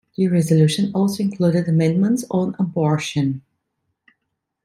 The resolution also included amendments on abortion.